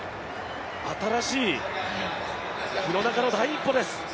新しい廣中の第一歩です。